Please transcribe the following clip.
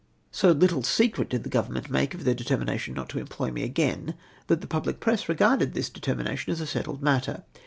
So little secret did the Government make of their determination not to employ me again, that the public ])ress regarded this determination as a settled matter.